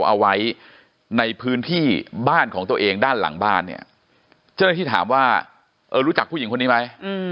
เอาไว้ในพื้นที่บ้านของตัวเองด้านหลังบ้านเนี่ยเจ้าหน้าที่ถามว่าเออรู้จักผู้หญิงคนนี้ไหม